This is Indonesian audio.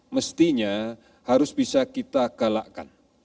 mestinya harus bisa kita galakkan